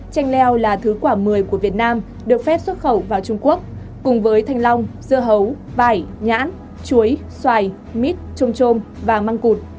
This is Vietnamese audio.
chanh leo là thứ quả một mươi của việt nam được phép xuất khẩu vào trung quốc cùng với thanh long dưa hấu vải nhãn chuối xoài mít trôm trôm và măng cụt